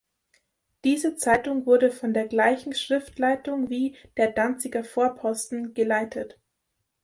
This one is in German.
Diese Zeitung wurde von der gleichen Schriftleitung wie "Der Danziger Vorposten" geleitet.